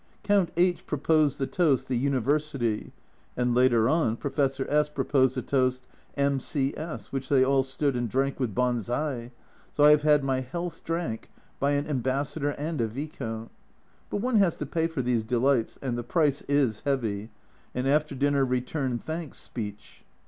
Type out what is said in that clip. Count H proposed the toast " The Univer sity," and later on Professor S proposed the toast " M. C. S.," which they all stood and drank with banzai, so I have had my health drank by an Ambassador and a Viscount. But one has to pay for these delights and the price is heavy an after dinner return thanks speech